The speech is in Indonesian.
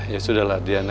ya sudah lah diana